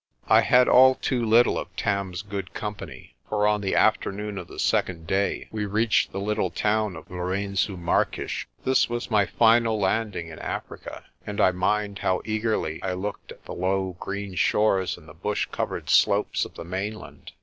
7 I had all too little of Tarn's good company, for on the afternoon of the second day we reached the little town of Lourenc.0 Marques. This was my final landing in Africa, and I mind how eagerly I looked at the low, green shores and the bush covered slopes of the mainland.